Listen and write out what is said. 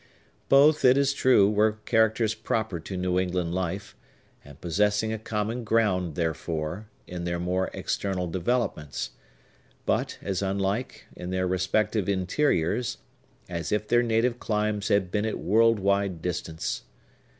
Both, it is true, were characters proper to New England life, and possessing a common ground, therefore, in their more external developments; but as unlike, in their respective interiors, as if their native climes had been at world wide distance.